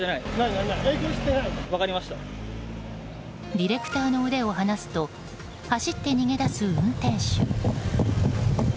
ディレクターの腕を放すと走って逃げだす、運転手。